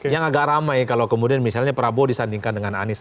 yang agak ramai kalau kemudian misalnya prabowo disandingkan dengan anies